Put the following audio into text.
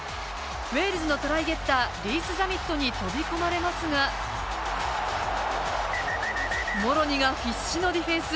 ウェールズのトライゲッターリースザミットに飛び込まれますがモロニが必死のディフェンス。